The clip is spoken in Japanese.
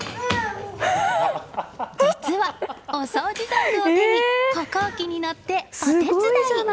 実は、お掃除道具を手に歩行器に乗って、お手伝い。